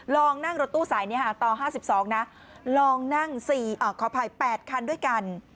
ลองนั่งรถตู้สายนี้ต่อ๕๒นะลองนั่งขออภัย๘คันด้วยกัน